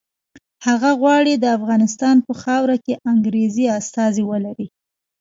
هغه غواړي د افغانستان په خاوره کې انګریزي استازي ولري.